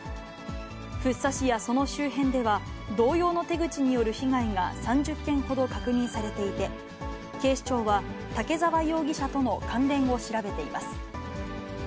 福生市やその周辺では、同様の手口による被害が３０件ほど確認されていて、警視庁は武沢容疑者との関連を調べています。